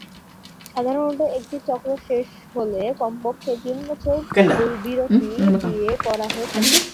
সাধারণত একটা চক্র শেষ হলে কমপক্ষে তিন বছর বিরতি দিয়ে করা হয়ে থাকে।